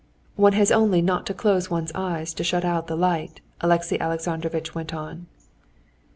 "One has only not to close one's eyes to shut out the light," Alexey Alexandrovitch went on.